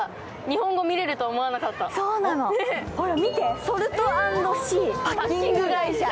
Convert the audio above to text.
見て、ソルト＆シーパッキング会社。